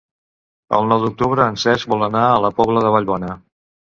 El nou d'octubre en Cesc vol anar a la Pobla de Vallbona.